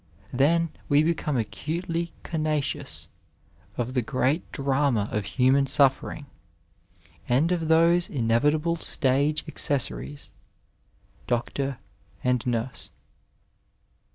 Then, we become acutely conscious of the great drama of human suffering, and of those inevitable stage accessories Hloctor and nurse.